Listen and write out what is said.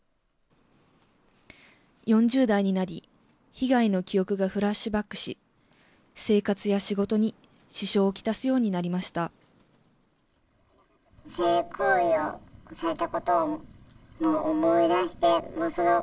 ４０代になり、被害の記憶がフラッシュバックし、生活や仕事に支障を来すようになりました。